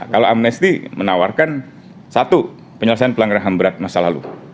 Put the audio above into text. kalau amnesty menawarkan satu penyelesaian pelanggaran berat masa lalu